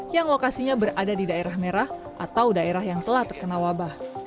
yang lokasinya berada di daerah merah atau daerah yang telah terkena wabah